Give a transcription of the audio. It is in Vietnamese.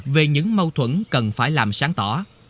về những mâu thuẫn cần phải làm sáng tỏa